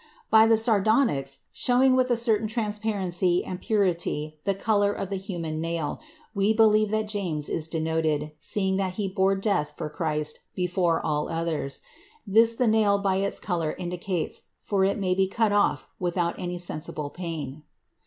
By the sardonyx, showing with a certain transparency and purity the color of the human nail, we believe that James is denoted, seeing that he bore death for Christ before all others. This the nail by its color indicates, for it may be cut off without any sensible pain.